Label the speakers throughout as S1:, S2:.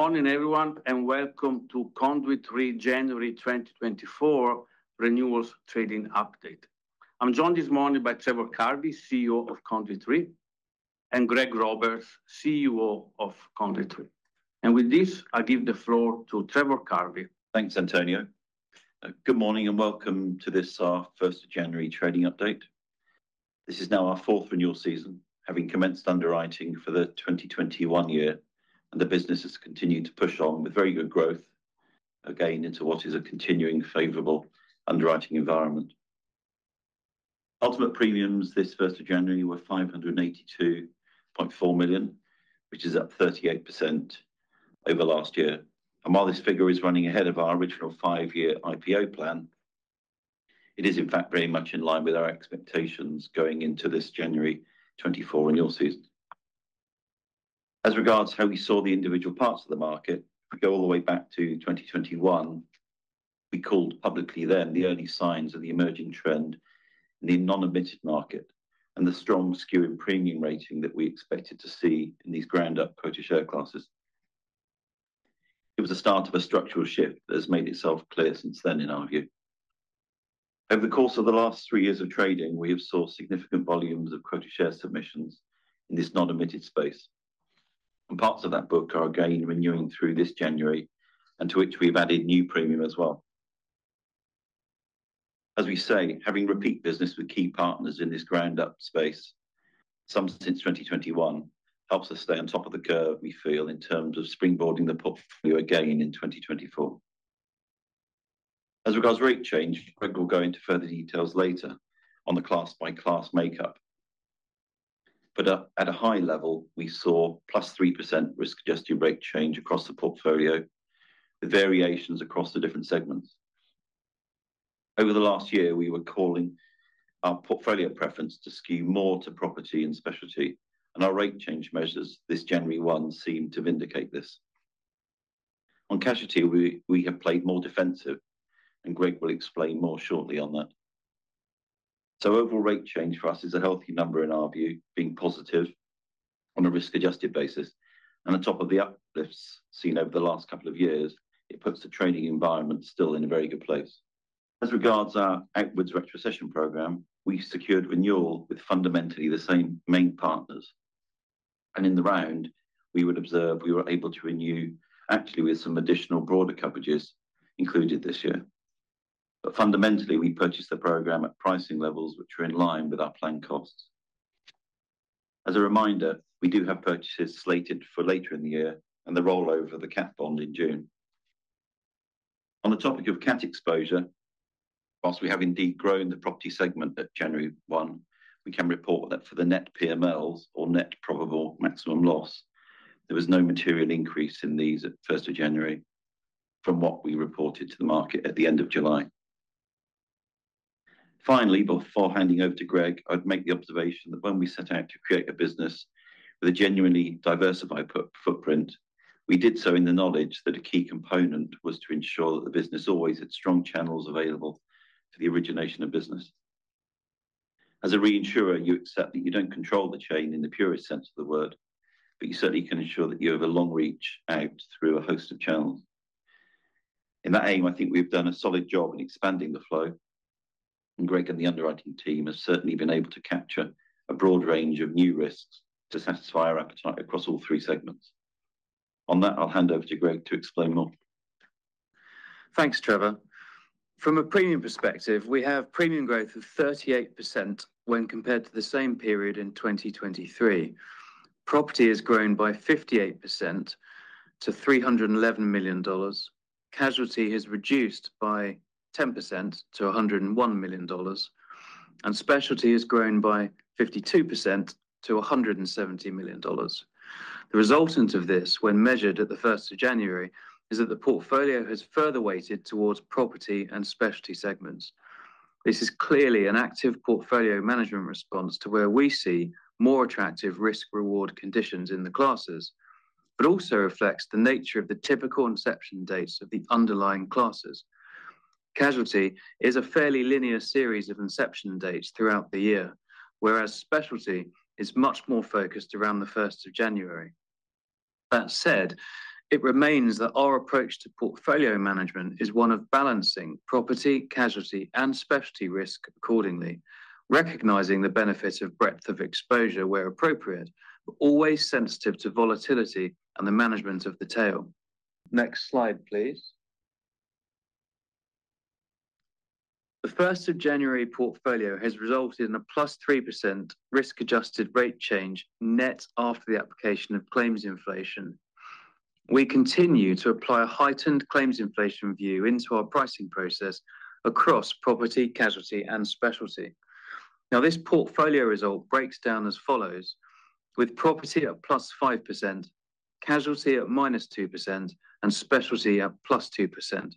S1: Good morning, everyone, and welcome to Conduit Re January 2024 Renewals Trading Update. I'm joined this morning by Trevor Carvey, CEO of Conduit Re, and Greg Roberts, Chief Underwriting Officer of Conduit Re. With this, I give the floor to Trevor Carvey.
S2: Thanks, Antonio. Good morning, and welcome to this, our first January trading update. This is now our fourth renewal season, having commenced underwriting for the 2021 year, and the business has continued to push on with very good growth, again, into what is a continuing favorable underwriting environment. Ultimate premiums this first of January were $582.4 million, which is up 38% over last year. And while this figure is running ahead of our original five-year IPO plan, it is in fact very much in line with our expectations going into this January 2024 renewal season. As regards how we saw the individual parts of the market, if we go all the way back to 2021, we called publicly then the early signs of the emerging trend in the non-admitted market and the strong skew in premium rating that we expected to see in these ground-up quota share classes. It was the start of a structural shift that has made itself clear since then, in our view. Over the course of the last three years of trading, we have saw significant volumes of quota share submissions in this non-admitted space, and parts of that book are again renewing through this January, and to which we've added new premium as well. As we say, having repeat business with key partners in this ground-up space, some since 2021, helps us stay on top of the curve, we feel, in terms of springboarding the portfolio again in 2024. As regards rate change, Greg will go into further details later on the class-by-class makeup. But at a high level, we saw +3% risk-adjusted rate change across the portfolio, with variations across the different segments. Over the last year, we were calling our portfolio preference to skew more to property and specialty, and our rate change measures this January 1 seemed to vindicate this. On casualty, we have played more defensive, and Greg will explain more shortly on that. Overall rate change for us is a healthy number in our view, being positive on a risk-adjusted basis, and on top of the uplifts seen over the last couple of years, it puts the trading environment still in a very good place. As regards our outwards retrocession program, we secured renewal with fundamentally the same main partners, and in the round, we would observe we were able to renew actually with some additional broader coverages included this year. But fundamentally, we purchased the program at pricing levels which were in line with our planned costs. As a reminder, we do have purchases slated for later in the year and the rollover of the cat bond in June. On the topic of cat exposure, whilst we have indeed grown the property segment at January 1, we can report that for the Net PMLs, or Net Probable Maximum Loss, there was no material increase in these at January 1 from what we reported to the market at the end of July. Finally, before handing over to Greg, I'd make the observation that when we set out to create a business with a genuinely diversified foot, footprint, we did so in the knowledge that a key component was to ensure that the business always had strong channels available for the origination of business. As a reinsurer, you accept that you don't control the chain in the purest sense of the word, but you certainly can ensure that you have a long reach out through a host of channels. In that aim, I think we've done a solid job in expanding the flow, and Greg and the underwriting team have certainly been able to capture a broad range of new risks to satisfy our appetite across all three segments. On that, I'll hand over to Greg to explain more.
S3: Thanks, Trevor. From a premium perspective, we have premium growth of 38% when compared to the same period in 2023. Property has grown by 58% to $311 million. Casualty has reduced by 10% to $101 million, and specialty has grown by 52% to $170 million. The resultant of this, when measured at the first of January, is that the portfolio has further weighted towards property and specialty segments. This is clearly an active portfolio management response to where we see more attractive risk/reward conditions in the classes, but also reflects the nature of the typical inception dates of the underlying classes. Casualty is a fairly linear series of inception dates throughout the year, whereas specialty is much more focused around the first of January. That said, it remains that our approach to portfolio management is one of balancing property, casualty, and specialty risk accordingly, recognizing the benefits of breadth of exposure where appropriate, but always sensitive to volatility and the management of the tail. Next slide, please. The first of January portfolio has resulted in a 3%+ risk-adjusted rate change, net after the application of claims inflation. We continue to apply a heightened claims inflation view into our pricing process across property, casualty, and specialty. Now, this portfolio result breaks down as follows: with property at +5%, casualty at -2%, and specialty at +2%.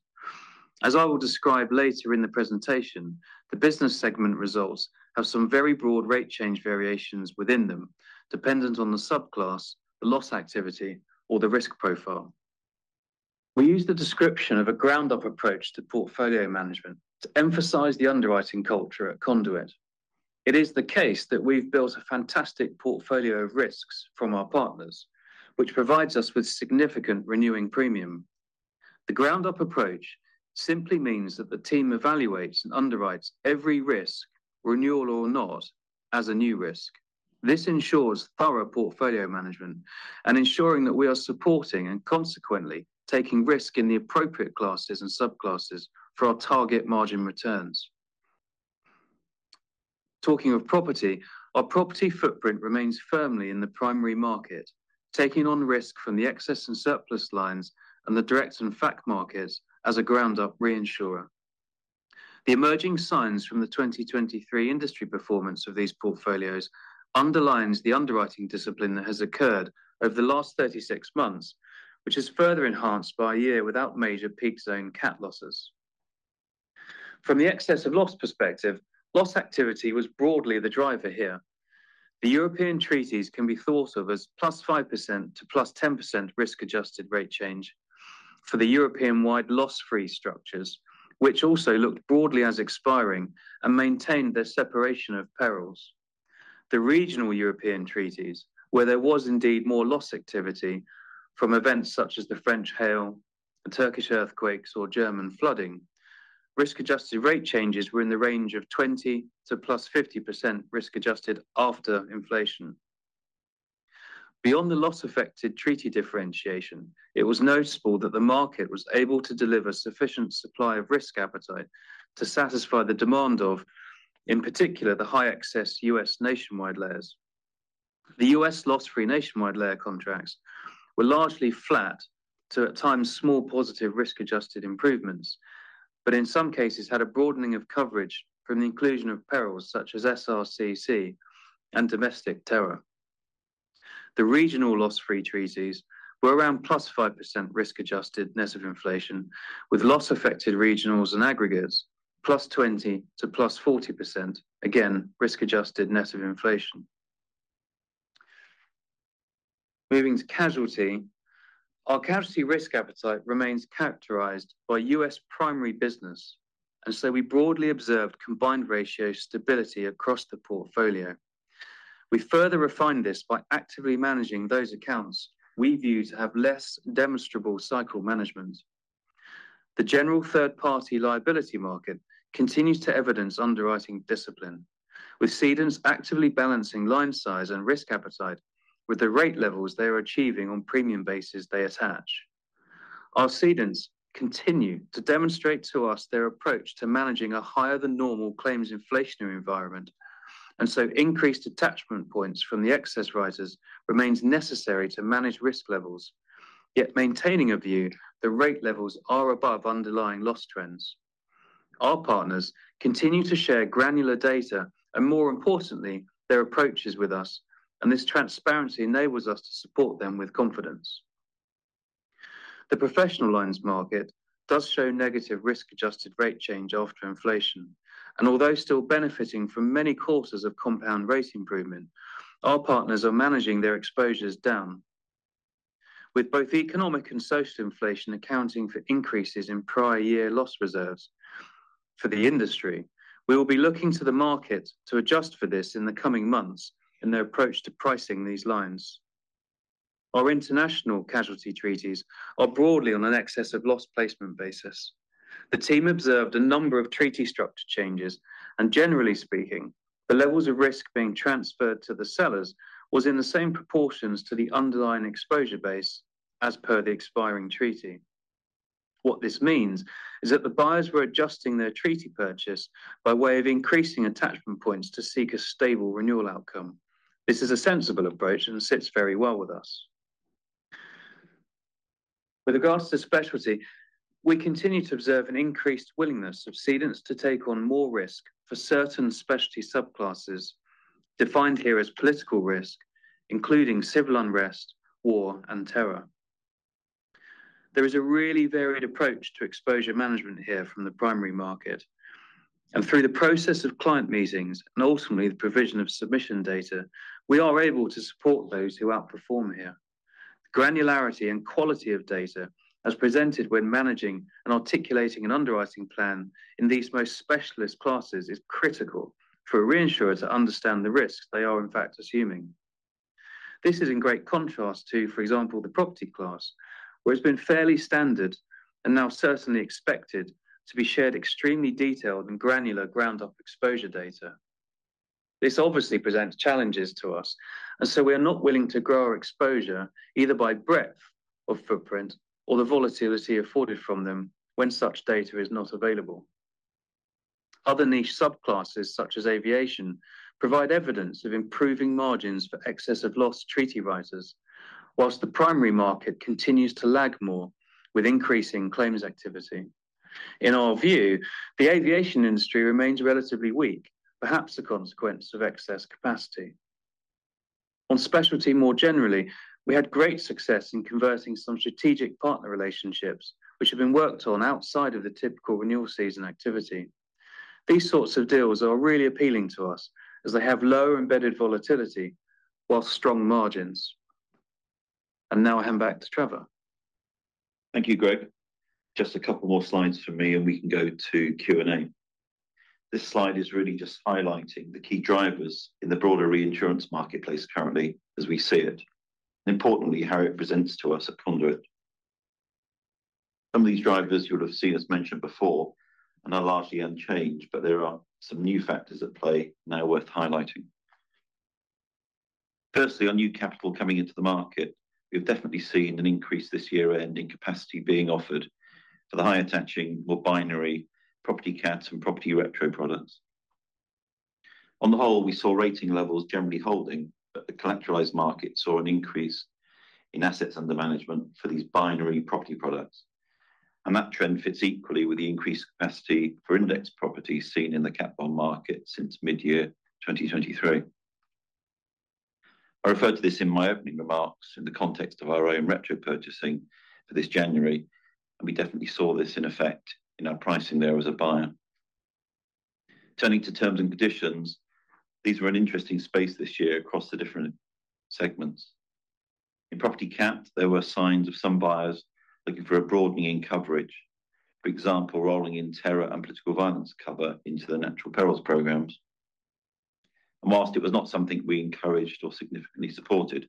S3: As I will describe later in the presentation, the business segment results have some very broad rate change variations within them, dependent on the subclass, the loss activity, or the risk profile.... We use the description of a ground-up approach to portfolio management to emphasize the underwriting culture at Conduit. It is the case that we've built a fantastic portfolio of risks from our partners, which provides us with significant renewing premium. The ground-up approach simply means that the team evaluates and underwrites every risk, renewal or not, as a new risk. This ensures thorough portfolio management and ensuring that we are supporting and consequently taking risk in the appropriate classes and subclasses for our target margin returns. Talking of property, our property footprint remains firmly in the primary market, taking on risk from the excess and surplus lines and the direct and FAC markets as a ground-up reinsurer. The emerging signs from the 2023 industry performance of these portfolios underlines the underwriting discipline that has occurred over the last 36 months, which is further enhanced by a year without major peak zone cat losses. From the excess of loss perspective, loss activity was broadly the driver here. The European treaties can be thought of as +5% to +10% risk-adjusted rate change for the European-wide loss-free structures, which also looked broadly as expiring and maintained their separation of perils. The regional European treaties, where there was indeed more loss activity from events such as the French hail, the Turkish earthquakes or German flooding, risk-adjusted rate changes were in the range of 20% to +50% risk-adjusted after inflation. Beyond the loss-affected treaty differentiation, it was noticeable that the market was able to deliver sufficient supply of risk appetite to satisfy the demand of, in particular, the high excess U.S. nationwide layers. The U.S. loss-free nationwide layer contracts were largely flat to, at times, small positive risk-adjusted improvements, but in some cases had a broadening of coverage from the inclusion of perils such as SRCC and domestic terror. The regional loss-free treaties were around +5% risk-adjusted net of inflation, with loss-affected regionals and aggregates +20%-+40%, again, risk-adjusted net of inflation. Moving to casualty. Our casualty risk appetite remains characterized by U.S. primary business, and so we broadly observed combined ratio stability across the portfolio. We further refined this by actively managing those accounts we view to have less demonstrable cycle management. The general third-party liability market continues to evidence underwriting discipline, with cedants actively balancing line size and risk appetite with the rate levels they are achieving on premium bases they attach. Our cedants continue to demonstrate to us their approach to managing a higher-than-normal claims inflationary environment, and so increased attachment points from the excess rises remains necessary to manage risk levels, yet maintaining a view that rate levels are above underlying loss trends. Our partners continue to share granular data and, more importantly, their approaches with us, and this transparency enables us to support them with confidence. The professional lines market does show negative risk-adjusted rate change after inflation, and although still benefiting from many courses of compound rate improvement, our partners are managing their exposures down. With both economic and social inflation accounting for increases in prior year loss reserves for the industry, we will be looking to the market to adjust for this in the coming months in their approach to pricing these lines. Our international Casualty treaties are broadly on an Excess of Loss placement basis. The team observed a number of treaty structure changes, and generally speaking, the levels of risk being transferred to the sellers was in the same proportions to the underlying exposure base as per the expiring treaty. What this means is that the buyers were adjusting their treaty purchase by way of increasing Attachment Points to seek a stable renewal outcome. This is a sensible approach and sits very well with us. With regards to specialty, we continue to observe an increased willingness of cedants to take on more risk for certain specialty subclasses, defined here as political risk, including civil unrest, war and terror. There is a really varied approach to exposure management here from the primary market, and through the process of client meetings and ultimately the provision of submission data, we are able to support those who outperform here. Granularity and quality of data, as presented when managing and articulating an underwriting plan in these most specialist classes, is critical for a reinsurer to understand the risks they are in fact assuming. This is in great contrast to, for example, the property class, where it's been fairly standard and now certainly expected to be shared extremely detailed and granular ground-up exposure data. This obviously presents challenges to us, and so we are not willing to grow our exposure either by breadth of footprint or the volatility afforded from them when such data is not available. Other niche subclasses, such as aviation, provide evidence of improving margins for excess of loss treaty writers, while the primary market continues to lag more with increasing claims activity. In our view, the aviation industry remains relatively weak, perhaps a consequence of excess capacity. On specialty more generally, we had great success in converting some strategic partner relationships, which have been worked on outside of the typical renewal season activity. These sorts of deals are really appealing to us, as they have low embedded volatility-...
S1: whilst strong margins. Now I hand back to Trevor.
S2: Thank you, Greg. Just a couple more slides from me, and we can go to Q&A. This slide is really just highlighting the key drivers in the broader reinsurance marketplace currently as we see it, and importantly, how it presents to us at Conduit. Some of these drivers you would have seen us mention before and are largely unchanged, but there are some new factors at play now worth highlighting. Firstly, on new capital coming into the market, we've definitely seen an increase this year ending capacity being offered for the higher attaching, more binary property cats and property retro products. On the whole, we saw rating levels generally holding, but the collateralized market saw an increase in assets under management for these binary property products. And that trend fits equally with the increased capacity for index properties seen in the cat bond market since mid-2023. I referred to this in my opening remarks in the context of our own retro purchasing for this January, and we definitely saw this in effect in our pricing there as a buyer. Turning to terms and conditions, these were an interesting space this year across the different segments. In property cat, there were signs of some buyers looking for a broadening in coverage. For example, rolling in terror and political violence cover into the natural perils programs. While it was not something we encouraged or significantly supported,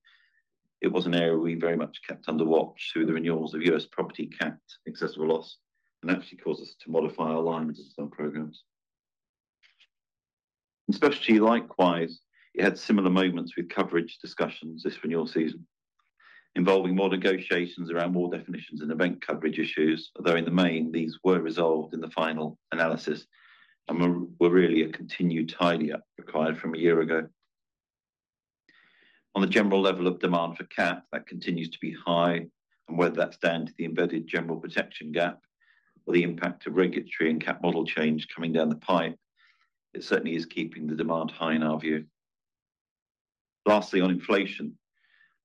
S2: it was an area we very much kept under watch through the renewals of U.S. property cat, excess of loss, and actually caused us to modify our alignment to some programs. In specialty likewise, it had similar moments with coverage discussions this renewal season, involving more negotiations around more definitions and event coverage issues. Although in the main, these were resolved in the final analysis and were really a continued tidy up required from a year ago. On the general level of demand for cat, that continues to be high, and whether that's down to the embedded general protection gap or the impact of regulatory and cat model change coming down the pipe, it certainly is keeping the demand high in our view. Lastly, on inflation.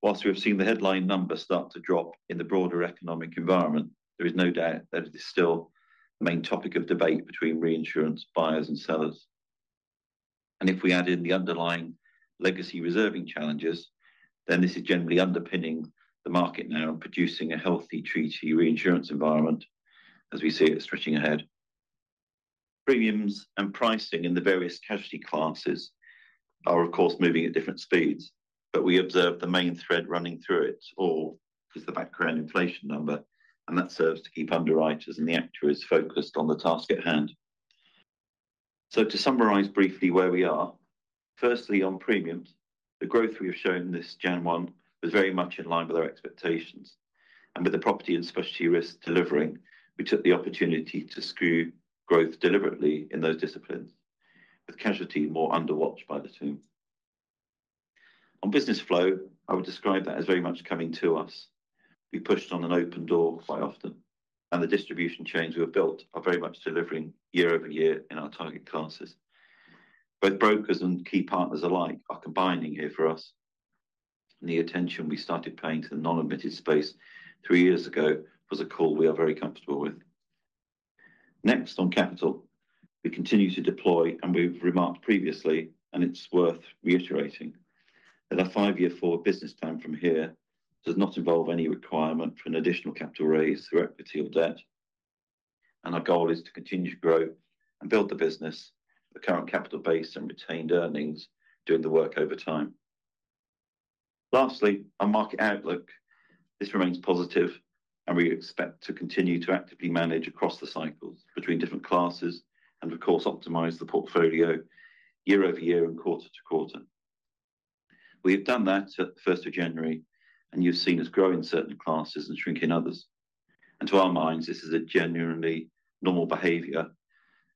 S2: While we have seen the headline numbers start to drop in the broader economic environment, there is no doubt that it is still the main topic of debate between reinsurance buyers and sellers. And if we add in the underlying legacy reserving challenges, then this is generally underpinning the market now and producing a healthy treaty reinsurance environment as we see it stretching ahead. Premiums and pricing in the various casualty classes are, of course, moving at different speeds, but we observe the main thread running through it all is the background inflation number, and that serves to keep underwriters and the actuaries focused on the task at hand. So to summarize briefly where we are, firstly, on premiums, the growth we have shown this January 1 was very much in line with our expectations, and with the property and specialty risk delivering, we took the opportunity to skew growth deliberately in those disciplines, with casualty more under watch by the two. On business flow, I would describe that as very much coming to us. We pushed on an open door quite often, and the distribution chains we have built are very much delivering year-over-year in our target classes. Both brokers and key partners alike are combining here for us, and the attention we started paying to the non-admitted space three years ago was a call we are very comfortable with. Next, on capital, we continue to deploy, and we've remarked previously, and it's worth reiterating, that our five-year forward business plan from here does not involve any requirement for an additional capital raise through equity or debt. Our goal is to continue to grow and build the business, the current capital base and retained earnings, doing the work over time. Lastly, on market outlook, this remains positive, and we expect to continue to actively manage across the cycles between different classes and, of course, optimize the portfolio year-over-year and quarter-over-quarter. We have done that at the first of January, and you've seen us grow in certain classes and shrink in others. To our minds, this is a genuinely normal behavior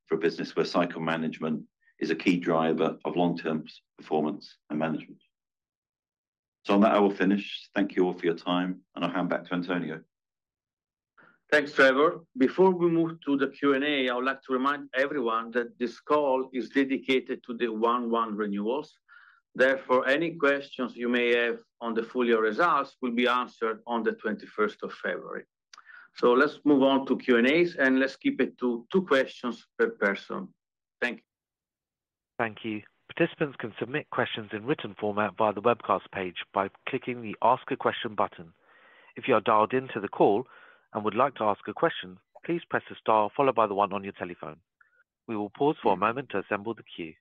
S2: for a business where cycle management is a key driver of long-term performance and management. On that, I will finish. Thank you all for your time, and I'll hand back to Antonio.
S1: Thanks, Trevor. Before we move to the Q&A, I would like to remind everyone that this call is dedicated to the 1/1 renewals. Therefore, any questions you may have on the full year results will be answered on the twenty-first of February. So let's move on to Q&A, and let's keep it to two questions per person. Thank you. Thank you. Participants can submit questions in written format via the webcast page by clicking the Ask a Question button. If you are dialed in to the call and would like to ask a question, please press the star followed by the one on your telephone. We will pause for a moment to assemble the queue.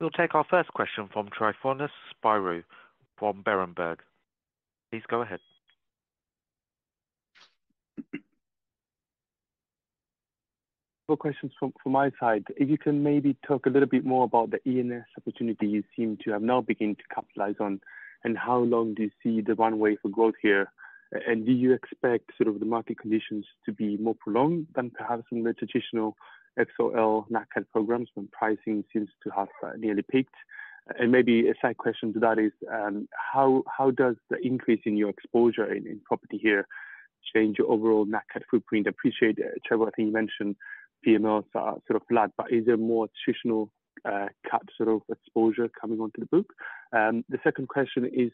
S1: We'll take our first question from Tryfonas Spyrou from Berenberg. Please go ahead.
S4: Two questions from my side. If you can maybe talk a little bit more about the E&S opportunity you seem to have now begun to capitalize on, and how long do you see the runway for growth here? And do you expect sort of the market conditions to be more prolonged than perhaps in the traditional XOL, Nat Cat programs, when pricing seems to have nearly peaked? And maybe a side question to that is, how does the increase in your exposure in property here change your overall Nat Cat footprint? I appreciate, Trevor, I think you mentioned PMLs are sort of flat, but is there more traditional cat sort of exposure coming onto the book? The second question is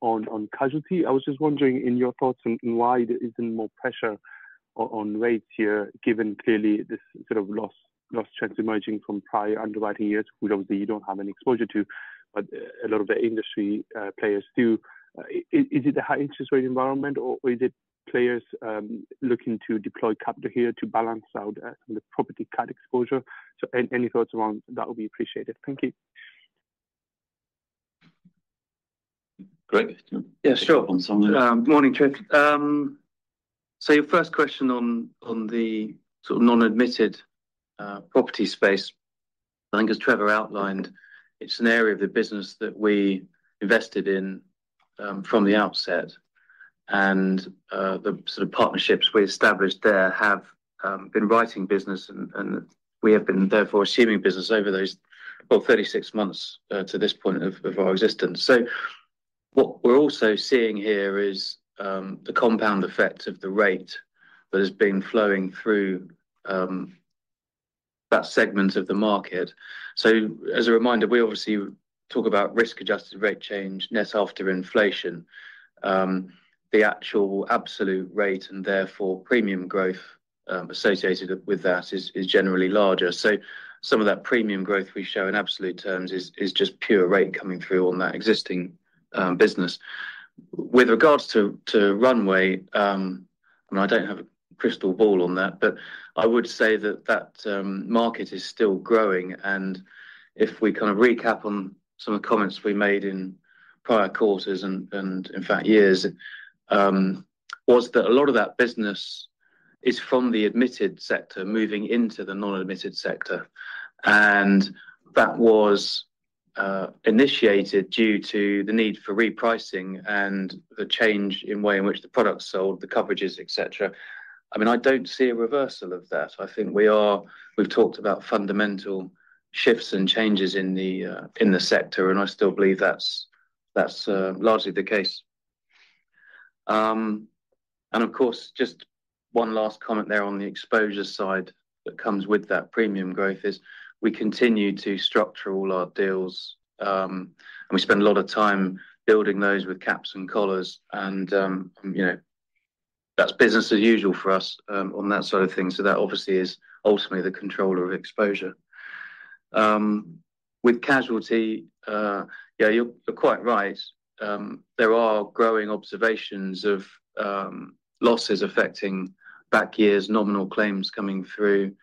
S4: on casualty. I was just wondering in your thoughts on why there isn't more pressure... On rates here, given clearly this sort of loss, loss trends emerging from prior underwriting years, which obviously you don't have any exposure to, but a lot of the industry players do. Is it a high interest rate environment, or is it players looking to deploy capital here to balance out the property cat exposure? So any thoughts around that would be appreciated. Thank you.
S1: Greg?
S3: Yeah, sure.
S1: Want some of this?
S3: Morning, Trip. So your first question on the sort of non-admitted property space, I think as Trevor outlined, it's an area of the business that we invested in from the outset. The sort of partnerships we established there have been writing business, and we have been therefore assuming business over those, well, 36 months to this point of our existence. So what we're also seeing here is the compound effect of the rate that has been flowing through that segment of the market. So as a reminder, we obviously talk about risk-adjusted rate change net after inflation. The actual absolute rate, and therefore premium growth, associated with that is generally larger. So some of that premium growth we show in absolute terms is just pure rate coming through on that existing business. With regards to to runway, I mean, I don't have a crystal ball on that, but I would say that that market is still growing. And if we kind of recap on some of the comments we made in prior quarters and in fact years, was that a lot of that business is from the admitted sector moving into the non-admitted sector. And that was initiated due to the need for repricing and the change in way in which the product's sold, the coverages, et cetera. I mean, I don't see a reversal of that. I think we are. We've talked about fundamental shifts and changes in the in the sector, and I still believe that's that's largely the case. And of course, just one last comment there on the exposure side that comes with that premium growth is we continue to structure all our deals, and we spend a lot of time building those with caps and collars and, you know, that's business as usual for us, on that side of things. So that obviously is ultimately the controller of exposure. With casualty, yeah, you're, you're quite right. There are growing observations of losses affecting back years, nominal claims coming through.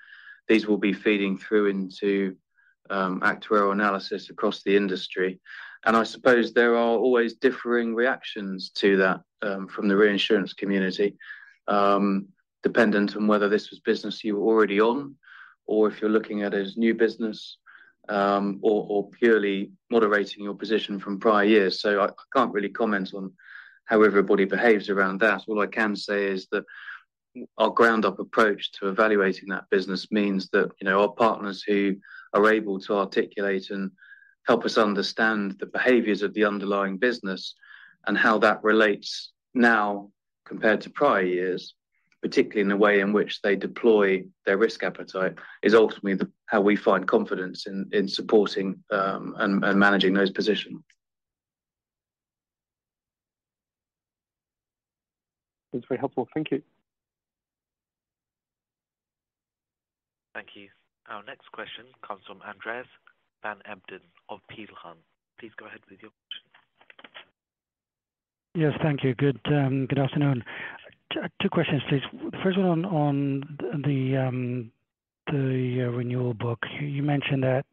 S3: These will be feeding through into actuarial analysis across the industry. And I suppose there are always differing reactions to that, from the reinsurance community, dependent on whether this was business you were already on, or if you're looking at it as new business, or, or purely moderating your position from prior years. So I can't really comment on how everybody behaves around that. All I can say is that our ground-up approach to evaluating that business means that, you know, our partners who are able to articulate and help us understand the behaviors of the underlying business and how that relates now compared to prior years, particularly in the way in which they deploy their risk appetite, is ultimately the how we find confidence in supporting and managing those positions.
S4: That's very helpful. Thank you.
S1: Thank you. Our next question comes from Andreas van Embden of Peel Hunt. Please go ahead with your question.
S5: Yes, thank you. Good afternoon. Two questions, please. First one on the renewal book. You mentioned that,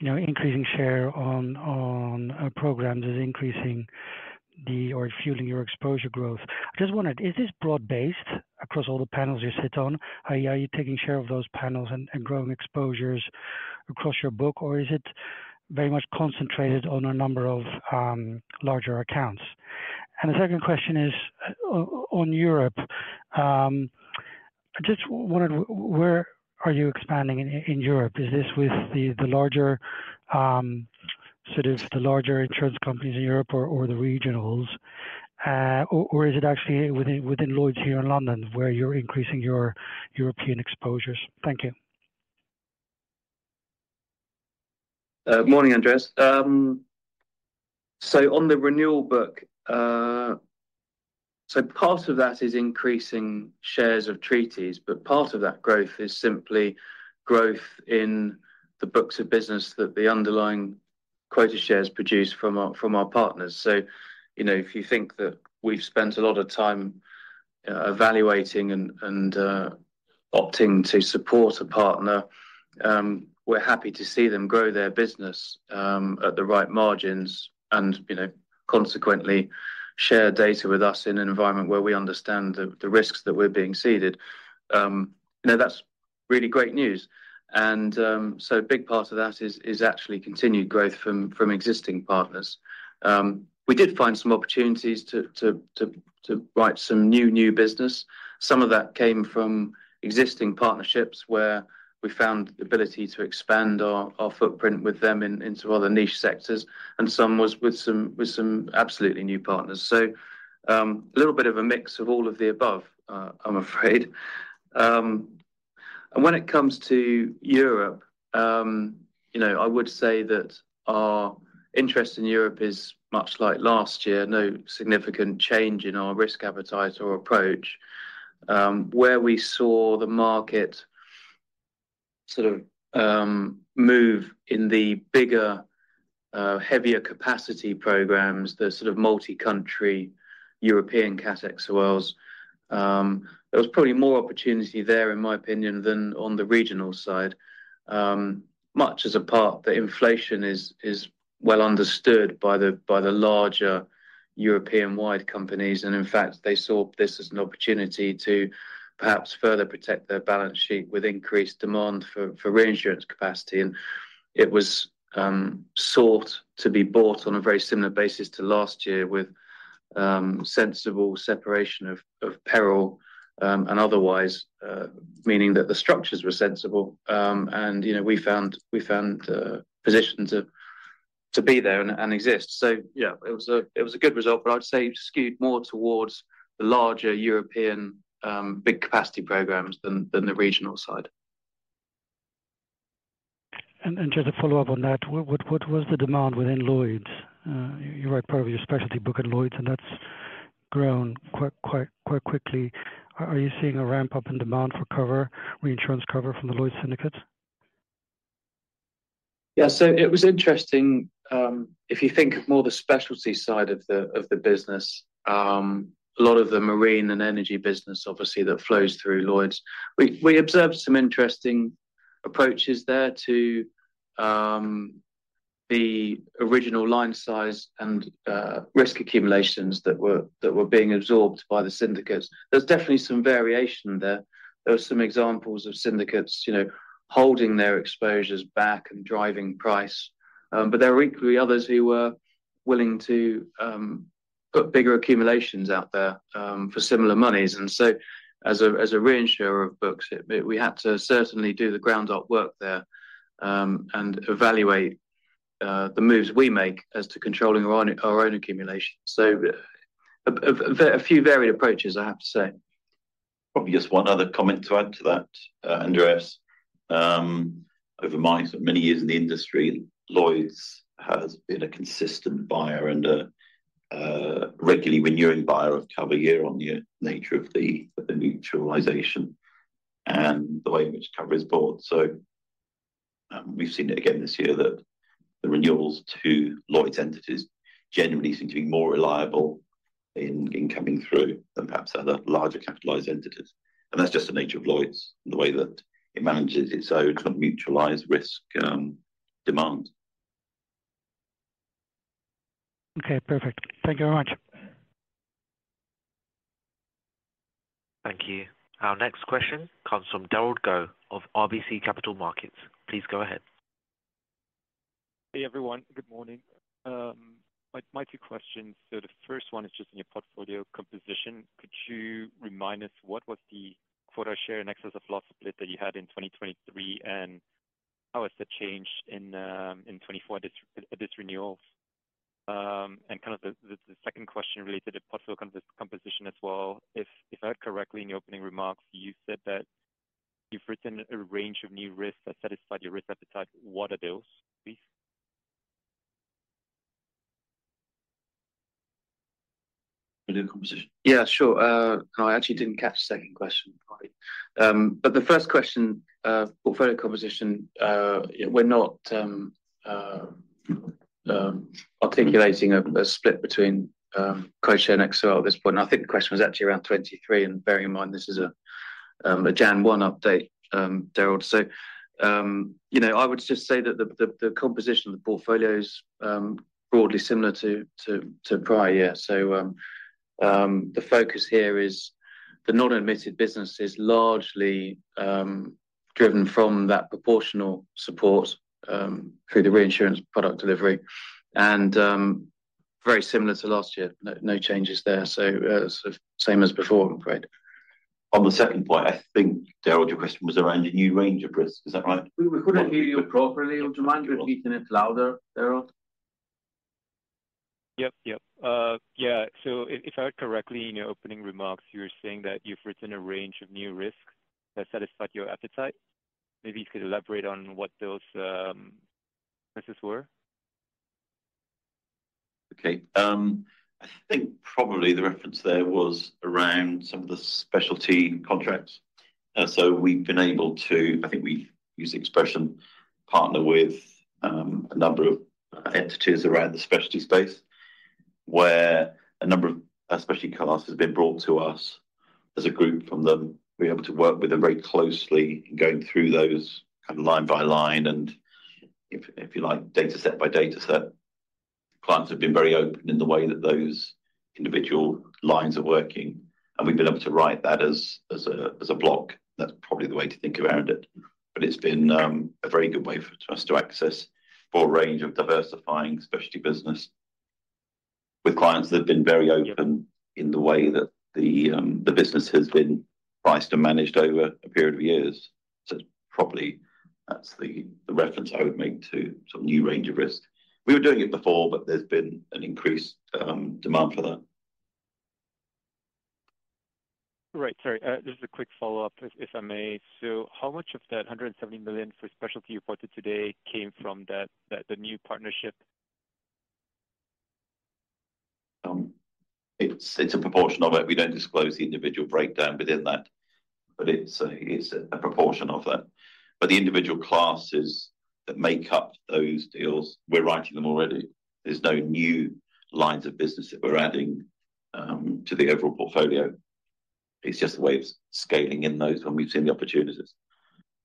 S5: you know, increasing share on programs is increasing the, or fueling your exposure growth. I just wondered, is this broad-based across all the panels you sit on? Are you taking share of those panels and growing exposures across your book, or is it very much concentrated on a number of larger accounts? And the second question is on Europe. I just wondered, where are you expanding in Europe? Is this with the larger sort of the larger insurance companies in Europe or the regionals, or is it actually within Lloyd's here in London, where you're increasing your European exposures? Thank you.
S3: Morning, Andreas. So on the renewal book, so part of that is increasing shares of treaties, but part of that growth is simply growth in the books of business that the underlying quota shares produce from our partners. So, you know, if you think that we've spent a lot of time evaluating and opting to support a partner, we're happy to see them grow their business at the right margins and, you know, consequently share data with us in an environment where we understand the risks that we're being ceded. You know, that's really great news. And so a big part of that is actually continued growth from existing partners. We did find some opportunities to write some new business. Some of that came from existing partnerships, where we found the ability to expand our footprint with them into other niche sectors, and some was with some absolutely new partners. So, a little bit of a mix of all of the above, I'm afraid. When it comes to Europe, you know, I would say that our interest in Europe is much like last year, no significant change in our risk appetite or approach. Where we saw the market sort of move in the bigger, heavier capacity programs, the sort of multi-country European cat excess of loss, there was probably more opportunity there, in my opinion, than on the regional side. Much as a part, the inflation is well understood by the larger European-wide companies, and in fact, they saw this as an opportunity to perhaps further protect their balance sheet with increased demand for reinsurance capacity. And it was sought to be bought on a very similar basis to last year, with sensible separation of peril and otherwise, meaning that the structures were sensible. And, you know, we found positions of to be there and exist. So, yeah, it was a good result, but I'd say skewed more towards the larger European big capacity programs than the regional side.
S5: Just a follow-up on that, what was the demand within Lloyd's? You wrote part of your specialty book at Lloyd's, and that's grown quite quickly. Are you seeing a ramp-up in demand for cover, reinsurance cover from the Lloyd's syndicates?
S3: Yeah. So it was interesting if you think of more the specialty side of the business, a lot of the marine and energy business, obviously, that flows through Lloyd's. We observed some interesting approaches there to the original line size and risk accumulations that were being absorbed by the syndicates. There's definitely some variation there. There were some examples of syndicates, you know, holding their exposures back and driving price. But there were equally others who were willing to put bigger accumulations out there for similar monies. So as a reinsurer of books, we had to certainly do the ground-up work there and evaluate the moves we make as to controlling our own accumulation. So a few varied approaches, I have to say.
S2: Probably just one other comment to add to that, Andreas. Over my many years in the industry, Lloyd's has been a consistent buyer and a regularly renewing buyer of cover year on year on the nature of the neutralization and the way in which cover is bought. So, we've seen it again this year that the renewals to Lloyd's entities generally seem to be more reliable in coming through than perhaps other larger capitalized entities. And that's just the nature of Lloyd's and the way that it manages its own sort of neutralized risk, demand.
S5: Okay, perfect. Thank you very much.
S1: Thank you. Our next question comes from Darius Satkauskas of RBC Capital Markets. Please go ahead.
S6: Hey, everyone. Good morning. My two questions. So the first one is just in your portfolio composition. Could you remind us what was the quota share in excess of loss split that you had in 2023, and how has that changed in 2024 at this renewal? And kind of the second question related to portfolio composition as well. If I heard correctly in your opening remarks, you said that you've written a range of new risks that satisfy your risk appetite. What are those, please?
S2: Portfolio composition.
S3: Yeah, sure. No, I actually didn't catch the second question, probably. But the first question, portfolio composition, we're not articulating a split between quota share and XL at this point. I think the question was actually around 2023, and bearing in mind, this is a January 1 update, Darius. So, you know, I would just say that the composition of the portfolio is broadly similar to prior year. So, the focus here is the non-admitted business is largely driven from that proportional support through the reinsurance product delivery, and very similar to last year. No changes there. So, same as before, I'm afraid.
S2: On the second point, I think, Darius, your question was around a new range of risks. Is that right?
S5: We couldn't hear you properly. Would you mind repeating it louder, Darius?
S6: Yep, yep. Yeah. So if I heard correctly in your opening remarks, you were saying that you've written a range of new risks that satisfy your appetite. Maybe you could elaborate on what those risks were.
S2: Okay. I think probably the reference there was around some of the specialty contracts. So we've been able to... I think we use the expression, partner with, a number of entities around the specialty space, where a number of specialty classes have been brought to us as a group from them. We're able to work with them very closely, going through those kind of line by line and, if you like, data set by data set. Clients have been very open in the way that those individual lines are working, and we've been able to write that as a block. That's probably the way to think around it, but it's been a very good way for us to access a broad range of diversifying specialty business with clients that have been very open-
S6: Yeah
S2: In the way that the, the business has been priced and managed over a period of years. So probably that's the, the reference I would make to sort of new range of risk. We were doing it before, but there's been an increased, demand for that.
S6: Right. Sorry, just a quick follow-up, if I may. So how much of that $170 million for specialty you reported today came from that, the new partnership?
S2: It's a proportion of it. We don't disclose the individual breakdown within that, but it's a proportion of that. But the individual classes that make up those deals, we're writing them already. There's no new lines of business that we're adding to the overall portfolio. It's just a way of scaling in those, and we've seen the opportunities.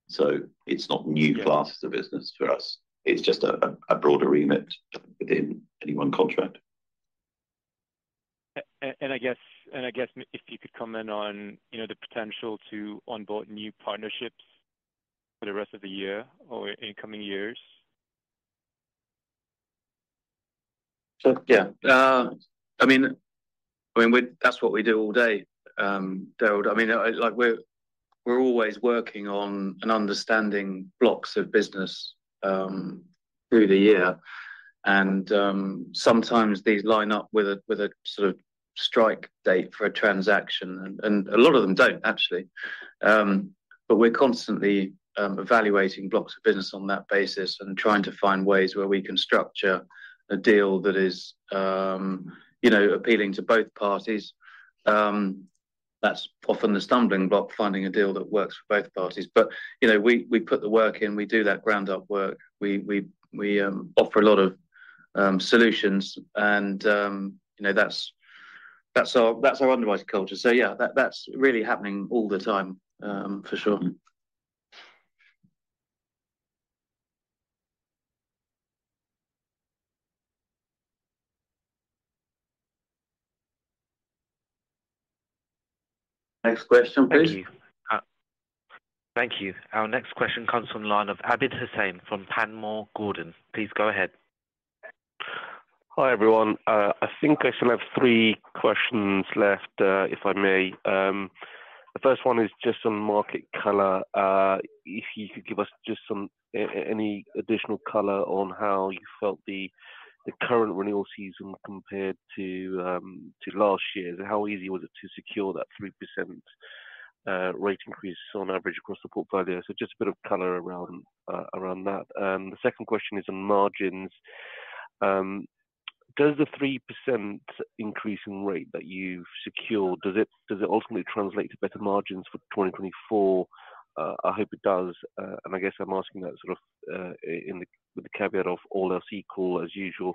S2: So it's not new classes-
S6: Yeah
S2: of business for us. It's just a broader remit within any one contract.
S6: And I guess if you could comment on, you know, the potential to onboard new partnerships for the rest of the year or in coming years?
S2: So, yeah. I mean, that's what we do all day, Darius. I mean, like, we're always working on and understanding blocks of business through the year, and sometimes these line up with a sort of strike date for a transaction, and a lot of them don't, actually. But we're constantly evaluating blocks of business on that basis and trying to find ways where we can structure a deal that is, you know, appealing to both parties. That's often the stumbling block, finding a deal that works for both parties. But, you know, we put the work in, we do that ground-up work. We offer a lot of solutions, and, you know, that's our underwriter culture. Yeah, that, that's really happening all the time, for sure.
S1: Next question, please. Thank you. Thank you. Our next question comes from the line of Abid Hussain from Panmure Gordon. Please go ahead.
S7: Hi, everyone. I think I still have three questions left, if I may. The first one is just on market color. If you could give us just some, any additional color on how you felt the, the current renewal season compared to, to last year's, and how easy was it to secure that 3%, rate increase on average across the portfolio? So just a bit of color around, around that. The second question is on margins. Does the 3% increase in rate that you've secured, does it, does it ultimately translate to better margins for 2024? I hope it does. And I guess I'm asking that sort of, in the, with the caveat of all else equal, as usual.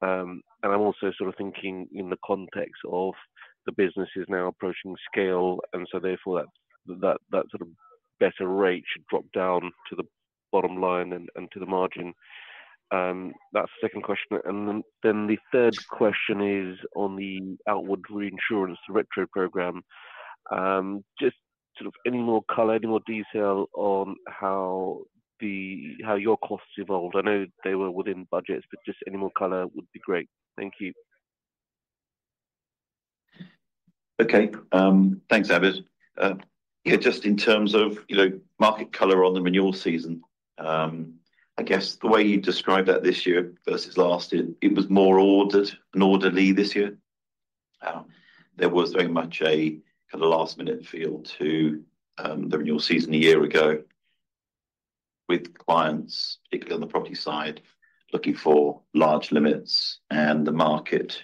S7: And I'm also sort of thinking in the context of the business is now approaching scale, and so therefore, that, that, that sort of better rate should drop down to the bottom line and, and to the margin. That's the second question. And then, then the third question is on the outward reinsurance retro program. Just sort of any more color, any more detail on how the-- how your costs evolved? I know they were within budgets, but just any more color would be great. Thank you.
S2: Okay. Thanks, Abid. Yeah, just in terms of, you know, market color on the renewal season, I guess the way you described that this year versus last year, it was more ordered and orderly this year. There was very much a kind of last-minute feel to the renewal season a year ago, with clients, particularly on the property side, looking for large limits, and the market,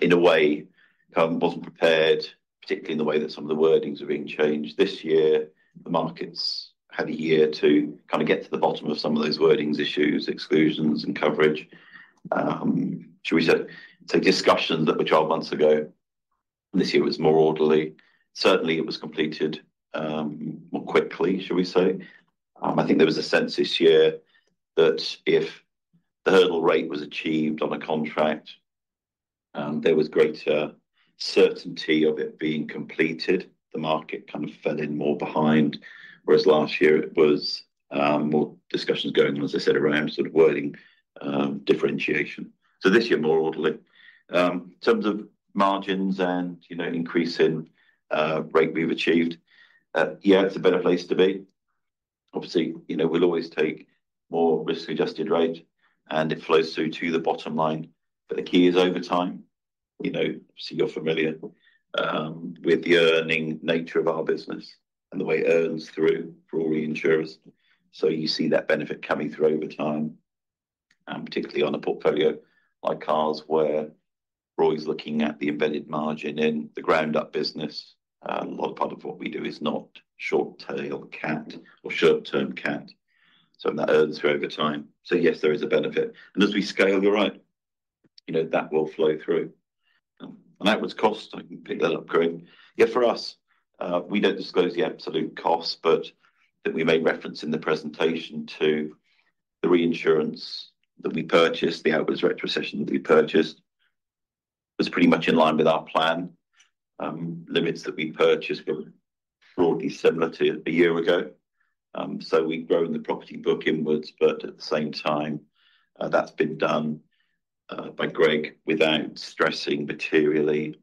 S2: in a way, kind of wasn't prepared, particularly in the way that some of the wordings were being changed. This year, the markets had a year to kinda get to the bottom of some of those wordings issues, exclusions, and coverage, should we say, so discussions that were 12 months ago, this year was more orderly. Certainly, it was completed more quickly, should we say? I think there was a sense this year that if the hurdle rate was achieved on a contract, there was greater certainty of it being completed. The market kind of fell in more behind, whereas last year it was, more discussions going on, as I said, around sort of wording, differentiation. So this year, more orderly. In terms of margins and, you know, increase in, rate we've achieved, yeah, it's a better place to be. Obviously, you know, we'll always take more risk-adjusted rate, and it flows through to the bottom line. But the key is over time. You know, so you're familiar, with the earning nature of our business and the way it earns through raw reinsurance. So you see that benefit coming through over time, particularly on a portfolio like ours, where we're always looking at the embedded margin in the ground-up business. A lot of part of what we do is not short-tail cat or short-term cat, so that earns through over time. So yes, there is a benefit. And as we scale, you're right, you know, that will flow through. And outwards cost, I can pick that up, Greg. Yeah, for us, we don't disclose the absolute cost, but that we made reference in the presentation to the reinsurance that we purchased, the outwards retrocession that we purchased, was pretty much in line with our plan. Limits that we purchased were broadly similar to a year ago. So we've grown the property book inwards, but at the same time, that's been done by Greg, without stressing materially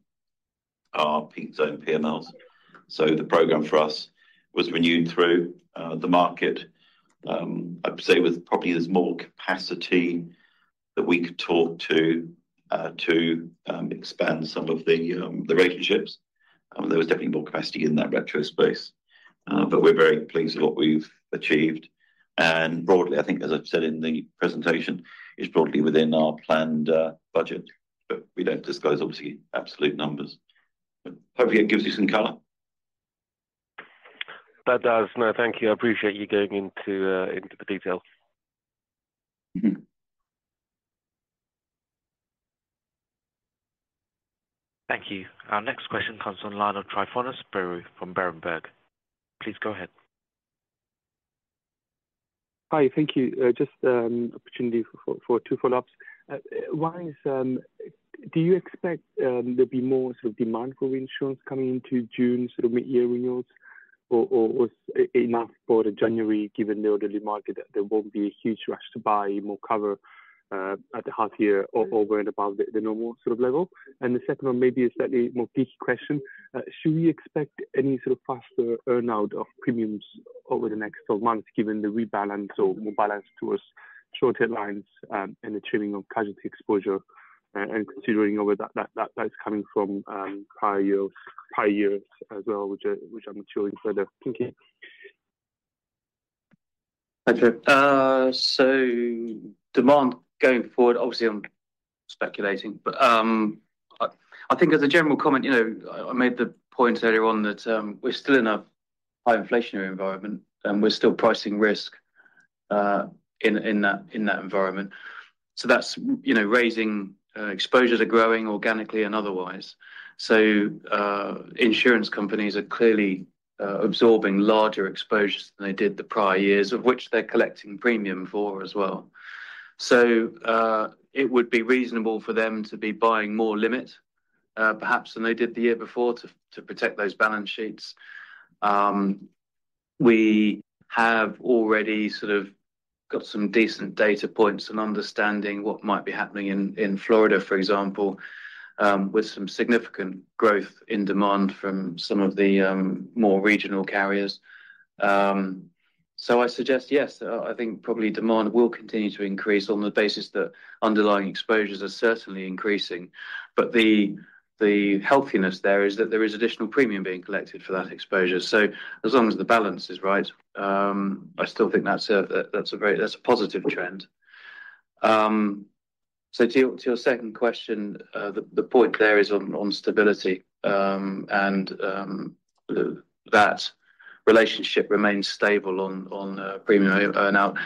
S2: our peak zone PMLs. So the program for us was renewed through the market. I'd say with property, there's more capacity that we could talk to, to expand some of the relationships. There was definitely more capacity in that retro space, but we're very pleased with what we've achieved. And broadly, I think, as I've said in the presentation, it's broadly within our planned budget, but we don't disclose, obviously, absolute numbers. But hopefully, it gives you some color.
S7: That does. No, thank you. I appreciate you going into the details.
S2: Mm-hmm.
S1: Thank you. Our next question comes on the line of Tryfonas Spyrou from Berenberg. Please go ahead.
S4: Hi, thank you. Just opportunity for two follow-ups. One is, do you expect there'll be more sort of demand for reinsurance coming into June, sort of mid-year renewals, or was enough for the January, given the orderly market, that there won't be a huge rush to buy more cover at the half year over and above the normal sort of level? And the second one may be a slightly more peaky question. Should we expect any sort of faster earn-out of premiums over the next twelve months, given the rebalance or more balance towards shorter lines, and the trimming of casualty exposure, and considering whether that that's coming from prior years, prior years as well, which I'm not sure in further. Thank you.
S3: Okay. So demand going forward, obviously, I'm speculating, but I think as a general comment, you know, I made the point earlier on that we're still in a high inflationary environment, and we're still pricing risk in that environment. So that's, you know, raising exposures are growing organically and otherwise. So insurance companies are clearly absorbing larger exposures than they did the prior years, of which they're collecting premium for as well. So it would be reasonable for them to be buying more limit, perhaps than they did the year before to protect those balance sheets. We have already sort of got some decent data points and understanding what might be happening in Florida, for example, with some significant growth in demand from some of the more regional carriers. So I suggest, yes, I think probably demand will continue to increase on the basis that underlying exposures are certainly increasing. But the healthiness there is that there is additional premium being collected for that exposure. So as long as the balance is right, I still think that's a very positive trend. So to your second question, the point there is on stability, and that relationship remains stable on premium earn-out.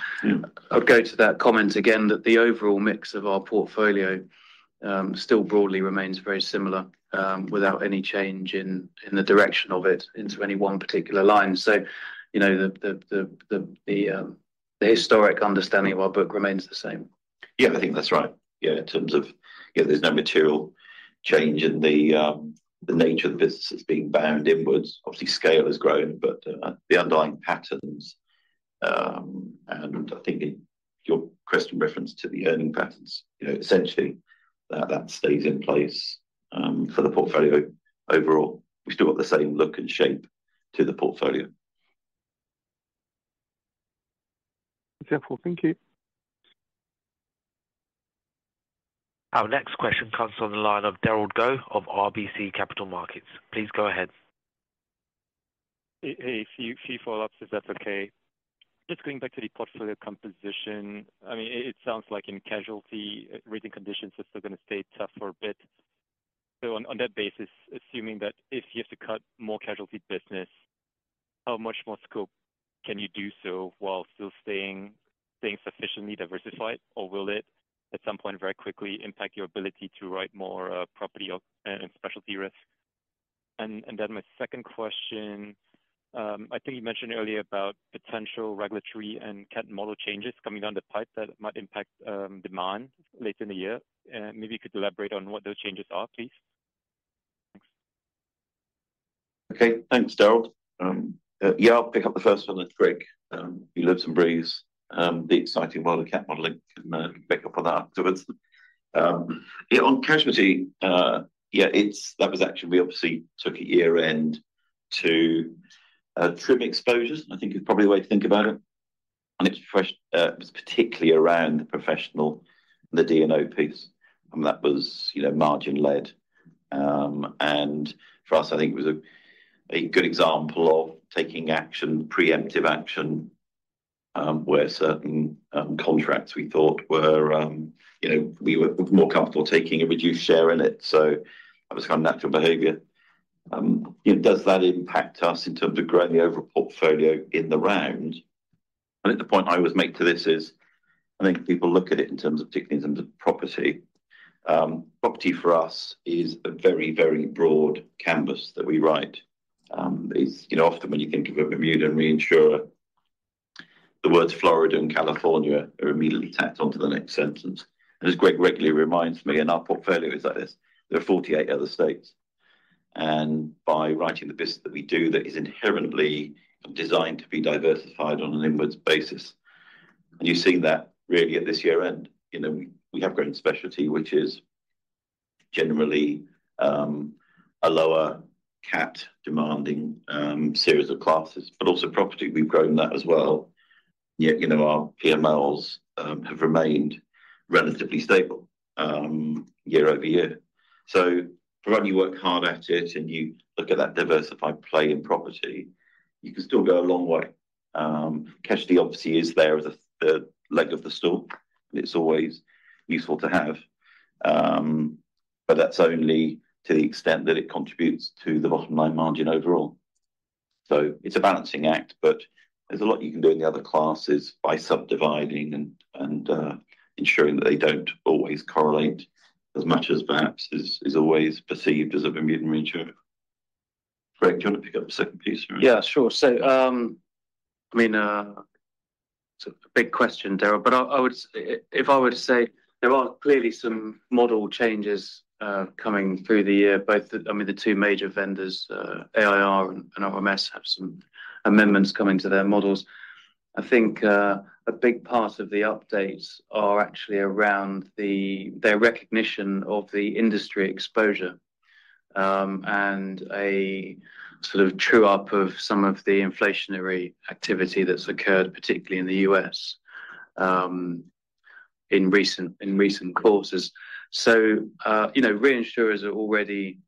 S3: I'd go to that comment again that the overall mix of our portfolio still broadly remains very similar without any change in the direction of it into any one particular line. So, you know, the historic understanding of our book remains the same.
S2: Yeah, I think that's right. Yeah, in terms of, yeah, there's no material change in the, the nature of the business that's being bound inwards. Obviously, scale has grown, but, the underlying patterns, and I think your question referenced to the earning patterns, you know, essentially, that, that stays in place, for the portfolio. Overall, we've still got the same look and shape to the portfolio.
S4: Thank you.
S1: Our next question comes on the line of Darius Satkauskas of RBC Capital Markets. Please go ahead.
S6: A few follow-ups, if that's okay. Just going back to the portfolio composition, I mean, it sounds like in casualty, rating conditions are still gonna stay tough for a bit. So on that basis, assuming that if you have to cut more casualty business, how much more scope can you do so while still staying sufficiently diversified? Or will it, at some point, very quickly impact your ability to write more property and specialty risk? And then my second question, I think you mentioned earlier about potential regulatory and cat model changes coming down the pipe that might impact demand later in the year. Maybe you could elaborate on what those changes are, please. Thanks.
S2: Okay. Thanks, Darius. Yeah, I'll pick up the first one with Greg. He lives and breathes the exciting world of cat modeling, and pick up on that. Yeah, on casualty, yeah, it's that was actually, we obviously took a year-end to trim exposures, I think is probably the way to think about it. It's fresh, it's particularly around the professional, the D&O piece, and that was, you know, margin-led. And for us, I think it was a good example of taking action, preemptive action, where certain contracts we thought were, you know, we were more comfortable taking a reduced share in it, so that was kind of natural behavior. Does that impact us in terms of growing the overall portfolio in the round? I think the point I always make to this is, I think people look at it in terms of, particularly in terms of property. Property for us is a very, very broad canvas that we write. It's, you know, often when you think of a Bermuda reinsurer, the words Florida and California are immediately tacked onto the next sentence. And as Greg regularly reminds me, and our portfolio is like this, there are 48 other states, and by writing the business that we do, that is inherently designed to be diversified on an inwards basis. And you've seen that really at this year-end. You know, we have growing specialty, which is generally a lower cat demanding series of classes, but also property. We've grown that as well. Yet, you know, our PMLs have remained relatively stable year-over-year. So provided you work hard at it, and you look at that diversified play in property, you can still go a long way. Casualty obviously is there as the leg of the stool, and it's always useful to have. But that's only to the extent that it contributes to the bottom line margin overall. So it's a balancing act, but there's a lot you can do in the other classes by subdividing and ensuring that they don't always correlate as much as perhaps is always perceived as a mutual insurer. Greg, do you want to pick up the second piece?
S3: Yeah, sure. So, I mean, it's a big question, Darius, but I would say if I were to say there are clearly some model changes coming through the year. Both the... I mean, the two major vendors, AIR and RMS, have some amendments coming to their models. I think a big part of the updates are actually around their recognition of the industry exposure, and a sort of true up of some of the inflationary activity that's occurred, particularly in the U.S., in recent quarters. So, you know, reinsurers are already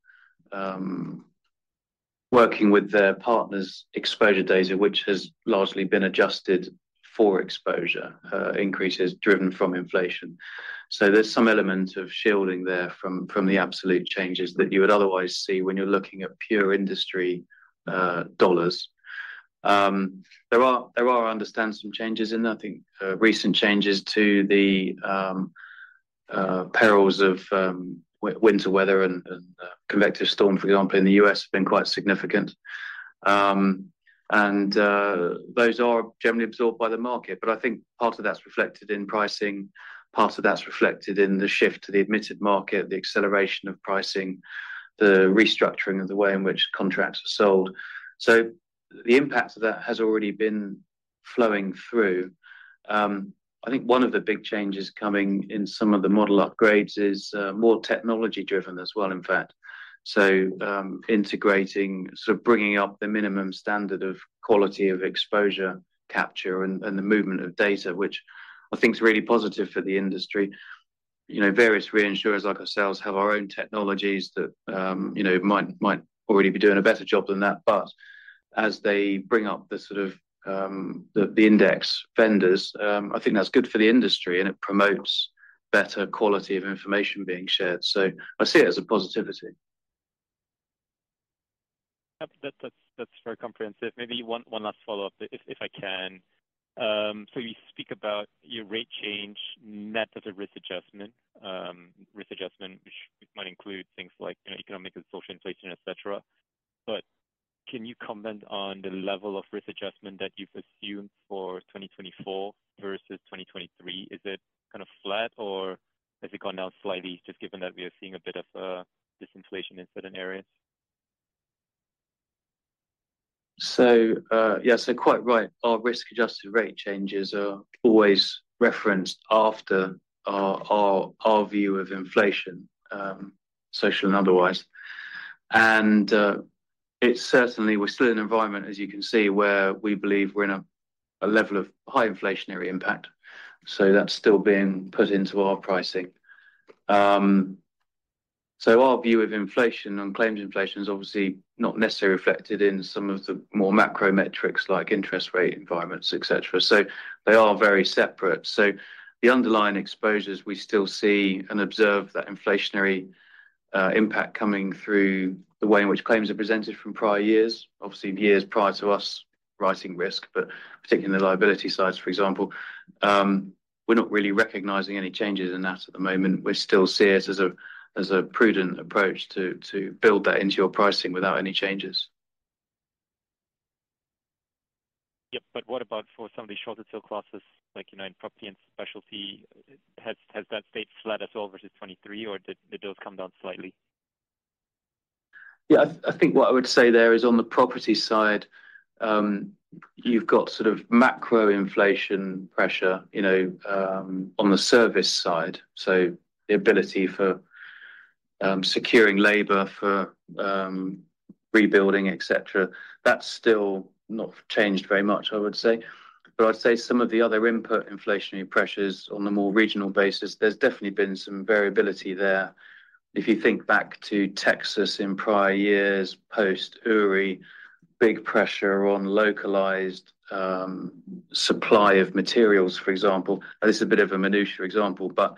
S3: working with their partners' exposure data, which has largely been adjusted for exposure increases driven from inflation. So there's some element of shielding there from the absolute changes that you would otherwise see when you're looking at pure industry dollars. I understand there are some changes, and I think recent changes to the perils of winter weather and convective storm, for example, in the U.S., have been quite significant. Those are generally absorbed by the market, but I think part of that's reflected in pricing, part of that's reflected in the shift to the admitted market, the acceleration of pricing, the restructuring of the way in which contracts are sold. So the impact of that has already been flowing through. I think one of the big changes coming in some of the model upgrades is more technology-driven as well, in fact. Integrating, sort of bringing up the minimum standard of quality of exposure capture and the movement of data, which I think is really positive for the industry. You know, various reinsurers, like ourselves, have our own technologies that, you know, might already be doing a better job than that. But as they bring up the sort of, the index vendors, I think that's good for the industry, and it promotes better quality of information being shared. So I see it as a positivity.
S6: Yep, that's very comprehensive. Maybe one last follow-up, if I can. So you speak about your rate change net as a risk adjustment, risk adjustment, which might include things like, you know, economic and social inflation, et cetera. But can you comment on the level of risk adjustment that you've assumed for 2024 versus 2023? Is it kind of flat, or has it gone down slightly, just given that we are seeing a bit of disinflation in certain areas?
S3: So, yeah, so quite right. Our risk-adjusted rate changes are always referenced after our view of inflation, social and otherwise. It's certainly we're still in an environment, as you can see, where we believe we're in a level of high inflationary impact, so that's still being put into our pricing. So our view of inflation on claims inflation is obviously not necessarily reflected in some of the more macro metrics like interest rate environments, et cetera, so they are very separate. So the underlying exposures, we still see and observe that inflationary impact coming through the way in which claims are presented from prior years, obviously, in years prior to us rising risk, but particularly in the liability sides, for example. We're not really recognizing any changes in that at the moment. We still see it as a prudent approach to build that into your pricing without any changes.
S6: Yep, but what about for some of the shorter tail classes, like, you know, in property and specialty? Has that stayed flat as well versus 2023, or did the deals come down slightly?
S3: Yeah, I think what I would say there is on the property side, you've got sort of macro inflation pressure, you know, on the service side. So the ability for securing labor for rebuilding, et cetera, that's still not changed very much, I would say. But I'd say some of the other input inflationary pressures on a more regional basis, there's definitely been some variability there. If you think back to Texas in prior years, post URI, big pressure on localized supply of materials, for example. And this is a bit of a minutiae example, but,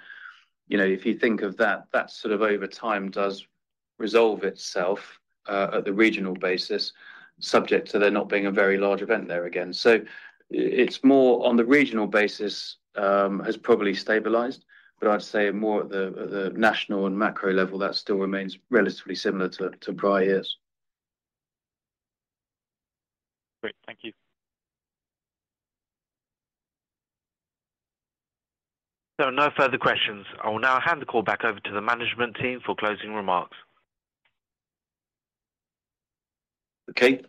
S3: you know, if you think of that, that sort of over time does resolve itself at the regional basis, subject to there not being a very large event there again. So it's more on the regional basis, has probably stabilized, but I'd say more at the national and macro level, that still remains relatively similar to prior years.
S6: Great. Thank you.
S2: There are no further questions. I will now hand the call back over to the management team for closing remarks. Okay,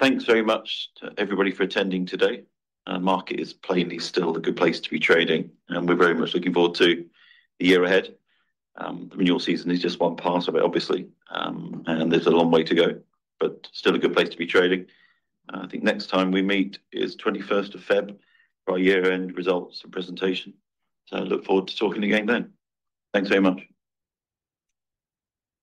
S2: thanks very much to everybody for attending today. Market is plainly still a good place to be trading, and we're very much looking forward to the year ahead. The renewal season is just one part of it, obviously, and there's a long way to go, but still a good place to be trading. I think next time we meet is twenty-first of February, for our year-end results and presentation. So I look forward to talking again then. Thanks very much.